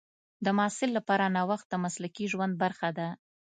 د محصل لپاره نوښت د مسلکي ژوند برخه ده.